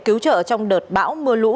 cứu trợ trong đợt bão mưa luông